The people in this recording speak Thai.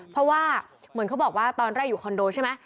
เพราะว่าเหมือนเขาบอกว่าตอนแรกอยู่คอนโดใช่ไหม